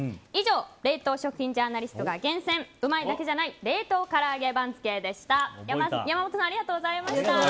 以上冷凍食品ジャーナリストが厳選うまいだけじゃない冷凍から揚げ番付でした。